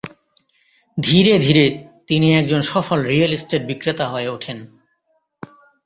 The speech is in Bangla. ধীরে ধীরে, তিনি একজন সফল রিয়েল এস্টেট বিক্রেতা হয়ে উঠেন।